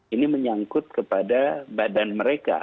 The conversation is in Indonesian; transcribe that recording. ini menyangkut kepada badan mereka